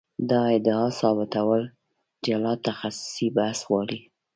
دا ادعا ثابتول جلا تخصصي بحث غواړي.